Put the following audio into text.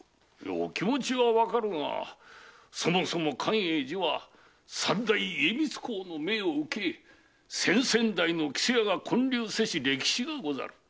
お気持ちはわかるがそもそも寛永寺は三代・家光公の命を受け先々代の木曽屋が建立せし歴史がござる。